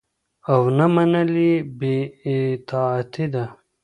او نه منل يي بي اطاعتي ده